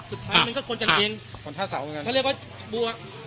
มันก็คนกางเกงคนท่าเสาเหมือนกันเขาเรียกว่าบัว